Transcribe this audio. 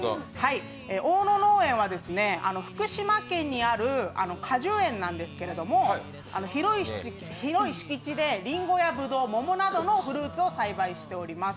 大野農園は福島県にある果樹園なんですけれども広い敷地で、りんごやぶどう、桃などのフルーツを栽培しております。